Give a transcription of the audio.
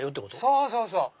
そうそうそう。